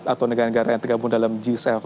atau negara negara yang tergabung dalam g tujuh